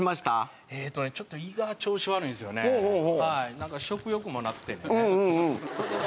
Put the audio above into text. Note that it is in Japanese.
なんか食欲もなくてね。